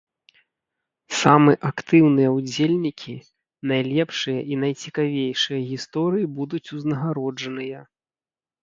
Самы актыўныя ўдзельнікі, найлепшыя і найцікавейшыя гісторыі будуць узнагароджаныя!